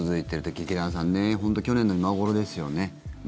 劇団さんね本当、去年の今頃ですよね。